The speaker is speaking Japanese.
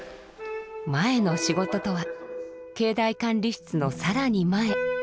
前の仕事とは境内管理室のさらに前。